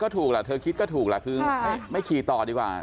เธอคิดก็ถูกขึ้นไม่ขี่ต่อดีกว่า